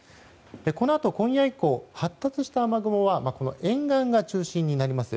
このあと今夜以降発達した雨雲は沿岸が中心になります。